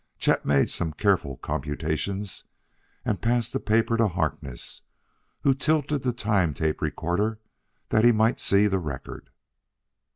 Chet made some careful computations and passed the paper to Harkness, who tilted the time tape recorder that he might see the record.